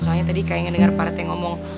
soalnya tadi kayaknya denger parete ngomong